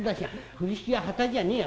風呂敷は旗じゃねえや。